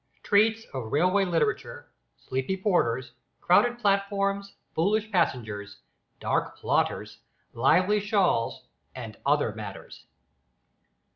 TREATS OF RAILWAY LITERATURE, SLEEPY PORTERS, CROWDED PLATFORMS, FOOLISH PASSENGERS, DARK PLOTTERS, LIVELY SHAWLS, AND OTHER MATTERS.